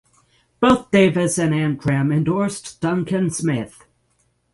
Both Davis and Ancram endorsed Duncan Smith.